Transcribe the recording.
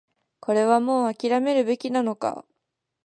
これはもう諦めるべきなのか